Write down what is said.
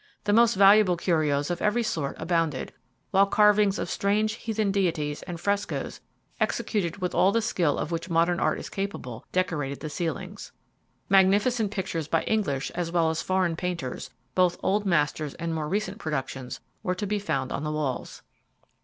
The most valuable curios of every sort abounded; while carvings of strange heathen deities and frescoes, executed with all the skill of which modern art is capable, decorated the ceilings. Magnificent pictures by English as well as foreign painters, both old masters and more recent productions, were to be found on the walls.